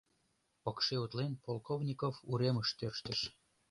Пыкше утлен, Полковников уремыш тӧрштыш.